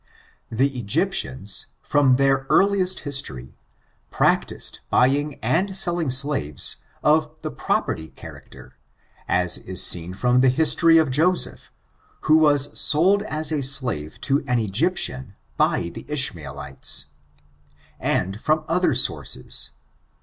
The Egyptians, from their earliest history, prac ticed buying and selling slaves of the property char acter, as is seen from the history of Joseph^ who was ti^k^k^fe^h^ > 380 ORIGIN, CHARACTER, AlfO sold as a slave to an Egyptian, by the Ishniaelttes, ftnd from other sources.